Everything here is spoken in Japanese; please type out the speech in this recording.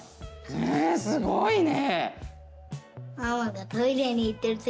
へえすごいね！